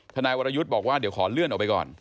นายวรยุทธ์บอกว่าเดี๋ยวขอเลื่อนออกไปก่อน